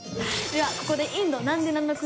ではここでインドなんでなの！？